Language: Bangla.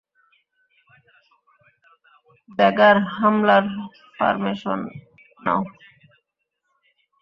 ড্যাগার, হামলার ফর্মেশন নাও।